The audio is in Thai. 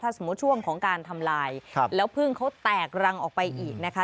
สมมุติช่วงของการทำลายแล้วพึ่งเขาแตกรังออกไปอีกนะคะ